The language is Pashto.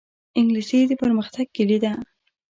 انګلیسي د پرمختګ کلي ده